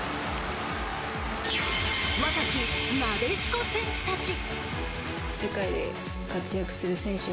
若き、なでしこ選手たち。